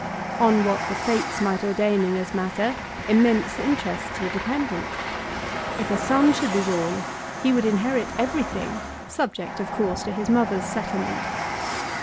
On what the Fates might ordain in this matter immense interests were dependent. If a son should be born he would inherit everything, subject, of course, to his mother's settlement.